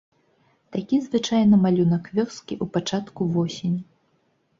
Такі звычайна малюнак вёскі ў пачатку восені.